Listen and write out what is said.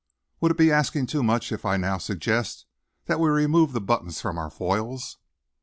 "Would it be asking too much if I now suggest that we remove the buttons from our foils?"